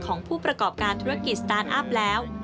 ของผู้ประกอบการธุรกิจสตาร์ทอัพแล้ว